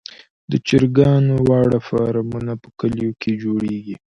د چرګانو واړه فارمونه په کليو کې جوړیږي.